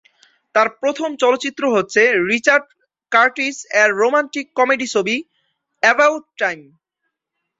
তার প্রথম চলচ্চিত্র হচ্ছে রিচার্ড কার্টিস-এর রোমান্টিক কমেডি ছবি "অ্যাবাউট টাইম"।